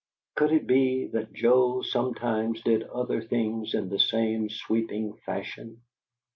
Could it be that Joe sometimes did other things in the same sweeping fashion?